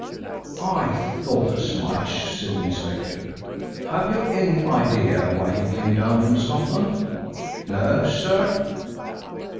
"I thought as much," said the inspector. "Have you any idea why he came down from Scotland?" "No, sir."